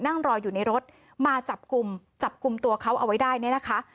นั่งรออยู่ในรถมาจับกลุ่มจับกลุ่มตัวเขาเอาไว้ได้เนี่ยนะคะ